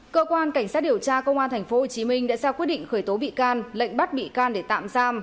cơ quan cảnh sát điều tra công an tp hcm đã ra quyết định khởi tố bị can lệnh bắt bị can để tạm giam